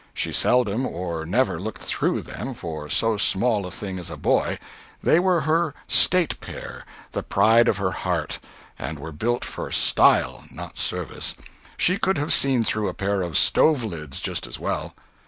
She seldom or never looked through them for so small a thing as a boy; they were her state pair, the pride of her heart, and were built for "style," not service—she could have seen through a pair of stove lids just as well.